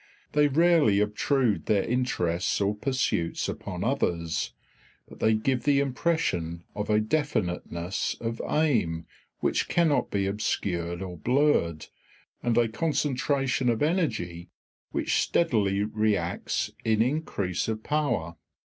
They rarely obtrude their interests or pursuits upon others, but they give the impression of a definiteness of aim which cannot be obscured or blurred, and a concentration of energy which steadily reacts in increase of power.